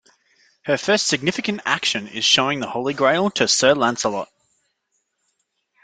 Her first significant action is showing the Holy Grail to Sir Lancelot.